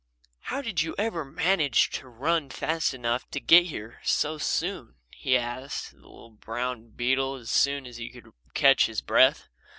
"How did you ever manage to run fast enough to get here so soon?" he asked the little brown beetle as soon as he could catch his breath.